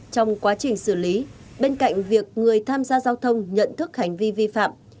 trong quá trình xử lý bên cạnh việc người tham gia giao thông nhận thức hành vi vi phạm